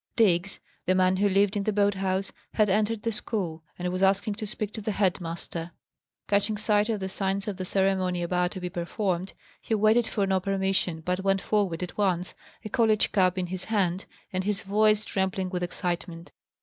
Diggs, the man who lived at the boat house, had entered the school, and was asking to speak to the head master. Catching sight of the signs of the ceremony about to be performed, he waited for no permission, but went forward at once, a college cap in his hand, and his voice trembling with excitement.